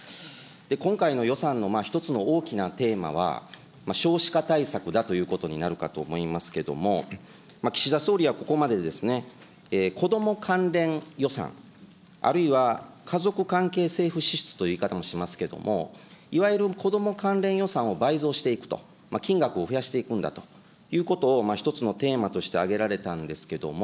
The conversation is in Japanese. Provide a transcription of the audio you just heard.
今回の予算の１つの大きなテーマは少子化対策だということになるかと思いますけども、岸田総理はここまで、子ども関連予算あるいは家族関係政府支出という言い方もしますけれども、いわゆる子ども関連予算を倍増していくと、金額を増やしていくんだということを、１つのテーマとして挙げられたんですけども。